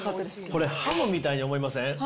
これ、ハムみたいじゃありません？